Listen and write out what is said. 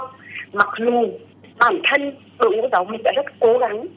đã sát sao mặc dù bản thân đội ngũ giáo minh đã rất cố gắng